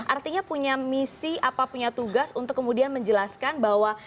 artinya punya misi apa punya tugas untuk kemudian menjelaskan bahwa